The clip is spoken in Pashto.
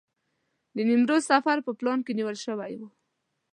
د نیمروز سفر په پلان کې نیول شوی و.